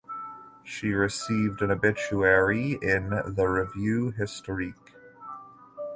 She received an obituary in the "Revue Historique".